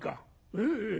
「ええええ。